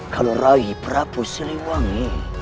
kalau raih prabu siliwangi